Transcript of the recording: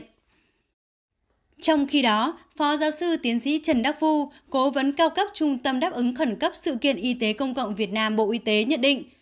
trong khi đó phó giáo sư tiến sĩ trần đắc phu cố vấn cao cấp trung tâm đáp ứng khẩn cấp sự kiện y tế công cộng việt nam bộ y tế nhận định